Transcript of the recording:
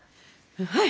はい！